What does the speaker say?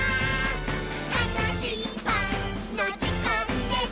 「たのしいパンのじかんです！」